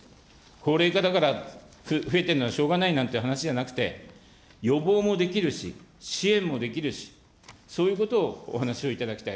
高齢化だから増えているのはしかたがないという話じゃなくて、予防もできるし、支援もできるし、そういうことをお話をいただきたい。